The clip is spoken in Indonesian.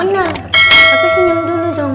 tapi senyum dulu dong